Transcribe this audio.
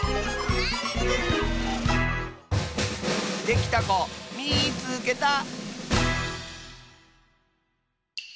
できたこみいつけた！